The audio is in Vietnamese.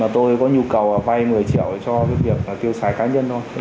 tôi có nhu cầu vay một mươi triệu cho việc tiêu xài cá nhân thôi